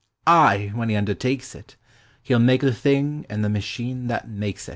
— Ay, when he undertakes it, He Ml make the thing and the machine that makes it.